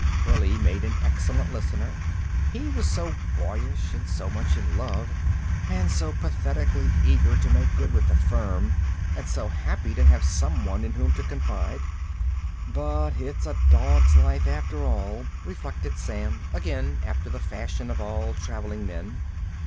Pearlie made an excellent listener. He was so boyish, and so much in love, and so pathetically eager to make good with the firm, and so happy to have some one in whom to confide. "But it's a dog's life, after all," reflected Sam, again after the fashion of all traveling men.